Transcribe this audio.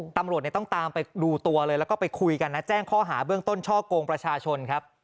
ตำรวจต้องตามไปดูตัวเลยแล้วก็ไปคุยกันนะแจ้งข้อหาเบื้องต้นช่อกงประชาชนครับ